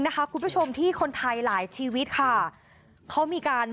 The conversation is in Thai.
และก็จับกลุ่มฮามาสอีก๒๖คน